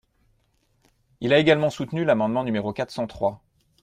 Il a également soutenu l’amendement numéro quatre cent trois.